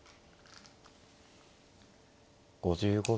５５秒。